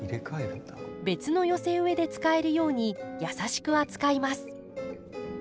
別の寄せ植えで使えるように優しく扱います。